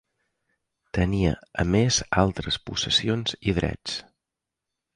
Tenia a més altres possessions i drets.